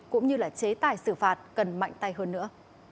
cũng như là chế tài xử phạt cần mạnh tay hơn nữa